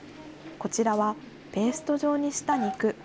こちらはペースト状にした肉。